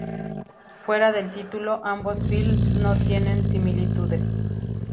Fuera del título, ambos films no tienen similitudes.